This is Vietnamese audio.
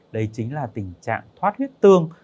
đấy chính là tình trạng thoát huyết tương